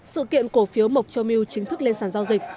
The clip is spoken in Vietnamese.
sự kiện cổ phiếu mộc châu milk chính thức lên sàn giao dịch